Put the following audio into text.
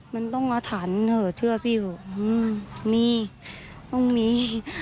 มันต้องเอาฐานนั้นเถอะเชื่อพี่หรอมีต้องมี